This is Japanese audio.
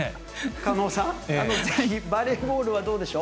狩野さん、バレーボールはどうでしょう？